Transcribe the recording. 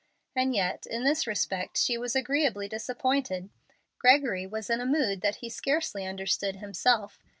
And yet in this respect she was agreeably disappointed. Gregory was in a mood that he scarcely understood himself.